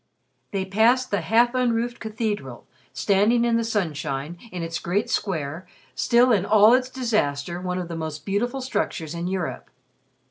They passed the half unroofed cathedral, standing in the sunshine in its great square, still in all its disaster one of the most beautiful structures in Europe.